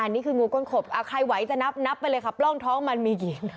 นี่คืองูก้นขบใครไหวจะนับนับไปเลยค่ะปล้องท้องมันมีหญิง